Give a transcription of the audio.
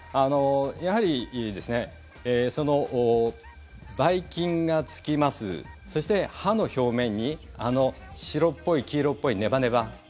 やはりばい菌がつきますそして、歯の表面にあの白っぽい、黄色っぽいネバネバ。